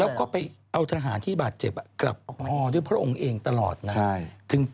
แล้วก็ไปเอาทหารที่บาดเจ็บกลับพอด้วยพระองค์เองตลอดนะ